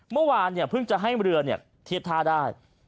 เมื่อวานเพิ่งจะให้เรือเทียบท่าได้